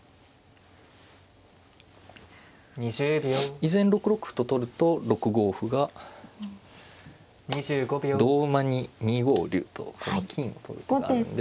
依然６六歩と取ると６五歩が同馬に２五竜とこの金を取る手があるので。